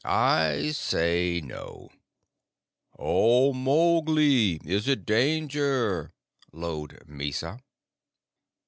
"I say no. Oh, Mowgli, is it danger?" lowed Mysa.